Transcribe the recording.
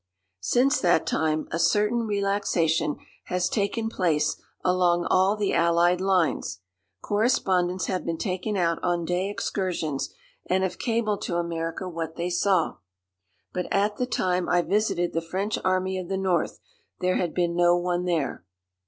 Since that time a certain relaxation has taken place along all the Allied lines. Correspondents have been taken out on day excursions and have cabled to America what they saw. But at the time I visited the French Army of the North there had been no one there.